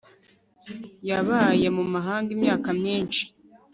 yabaye mu mahanga imyaka myinshi